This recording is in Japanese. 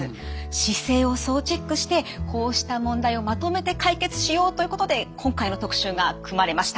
姿勢を総チェックしてこうした問題をまとめて解決しようということで今回の特集が組まれました。